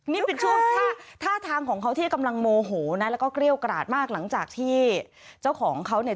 นี่เป็นช่วงท่าทางของเขาที่กำลังโมโหนะแล้วก็เกรี้ยวกราดมากหลังจากที่เจ้าของเขาเนี่ย